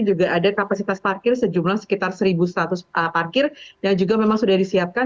juga ada kapasitas parkir sejumlah sekitar satu seratus parkir dan juga memang sudah disiapkan